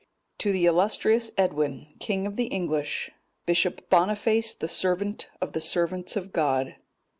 "_To the illustrious Edwin, king of the English, Bishop Boniface, the servant of the servants of God.